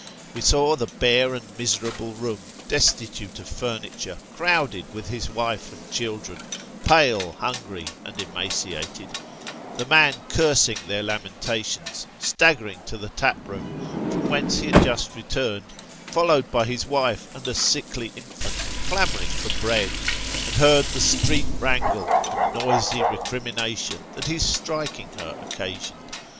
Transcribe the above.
We saw the bare and miserable room, destitute of furniture, crowded with his wife and children, pale, hungry, and emaciated ; the man cursing their lamentations, staggering to the tap room, from whence he had just returned, followed by his wife and a sickly infant, clamour ing for bread ; and heard the street wrangle and noisy recrimination that his striking her occasioned.